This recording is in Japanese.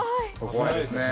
怖いですね。